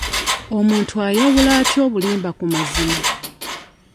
Omuntu ayawula atya obulimba ku mazima?